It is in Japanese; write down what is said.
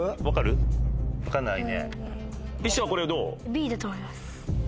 Ｂだと思います。